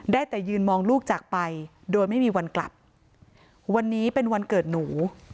แต่ยืนมองลูกจากไปโดยไม่มีวันกลับวันนี้เป็นวันเกิดหนู